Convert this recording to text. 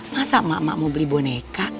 masa emak emak mau beli boneka